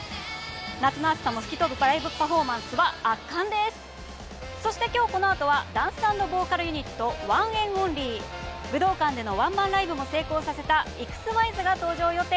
夏の暑さも吹き飛ぶライブパフォーマンスはそして今日このあとはダンス＆ボーカルユニットＯＮＥＮ’ＯＮＬＹ武道館でのワンマンライブも成功させたＥｘＷＨＹＺが登場予定。